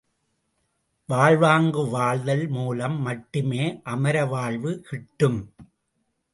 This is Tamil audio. வாழ்வாங்கு வாழ்தல் மூலம் மட்டுமே அமரவாழ்வு கிட்டும்!